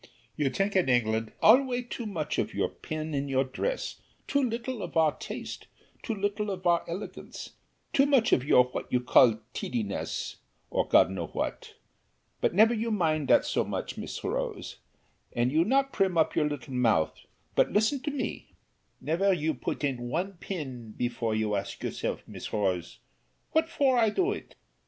"You tink in England alway too much of your pin in your dress, too little of our taste too little of our elegance, too much of your what you call tidiness, or God know what! But never you mind dat so much, Miss Rose; and you not prim up your little mouth, but listen to me. Never you put in one pin before you ask yourself, Miss Rose, what for I do it?